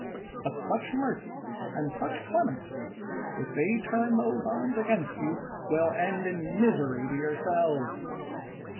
But such mercy, and such clemency, if they turn those arms against you, will end in misery to yourselves.